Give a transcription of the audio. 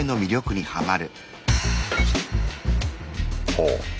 ほう。